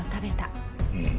うん。